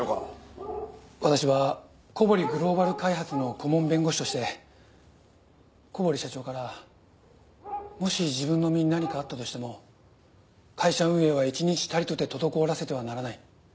私は小堀グローバル開発の顧問弁護士として小堀社長から「もし自分の身に何かあったとしても会社運営は１日たりとて滞らせてはならない」。